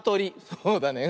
そうだね。